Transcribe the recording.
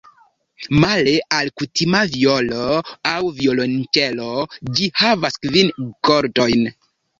Male al kutima vjolo aŭ violonĉelo ĝi havas kvin kordojn.